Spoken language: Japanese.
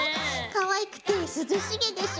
かわいくて涼しげでしょ！